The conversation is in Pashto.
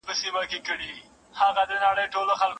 په لقمان اعتبار نسته په درمان اعتبار نسته